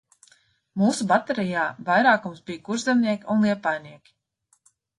Mūsu baterijā vairākums bija kurzemnieki un liepājnieki.